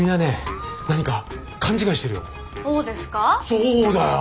そうだよ。